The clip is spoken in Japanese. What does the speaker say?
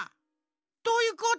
どういうこと？